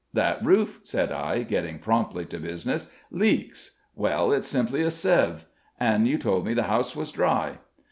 "That roof," said I, getting promptly to business, "leaks well, it's simply a sieve. And you told me the house was dry."